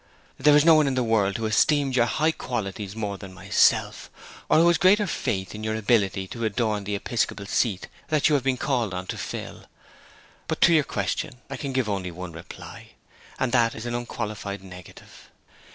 'There is no one in the world who esteems your high qualities more than myself, or who has greater faith in your ability to adorn the episcopal seat that you have been called on to fill. But to your question I can give only one reply, and that is an unqualified negative.